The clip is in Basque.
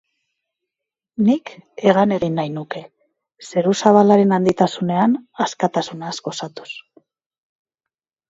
Nik hegan egin nahi nuke, zeru zabalaren handitasunean askatasunaz gozatuz.